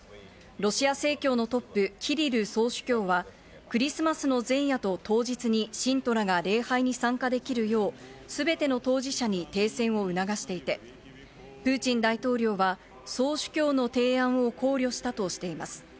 ロシア正教のトップ、キリル総主教は、クリスマスの前夜と当日に信徒らが礼拝に参加できるよう、すべての当事者に停戦を促していて、プーチン大統領は、総主教の提案を考慮したとしています。